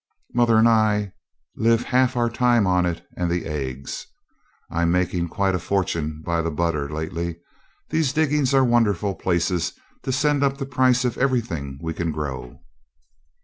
Mother and I live half our time on it and the eggs. I'm making quite a fortune by the butter lately. These diggings are wonderful places to send up the price of everything we can grow.'